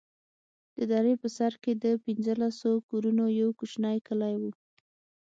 د درې په سر کښې د پنځلسو كورونو يو كوچنى كلى و.